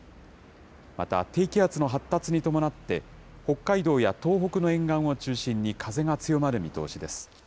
また、低気圧の発達に伴って、北海道や東北の沿岸を中心に風が強まる見通しです。